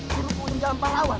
di lukuin jalan para lawan